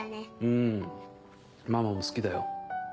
うんママも好きだよ。